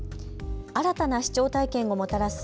新たな視聴体験をもたらす